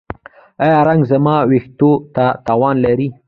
ایا رنګ زما ویښتو ته تاوان لري؟